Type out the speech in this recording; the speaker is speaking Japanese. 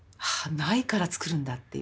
「ないからつくるんだ」っていう。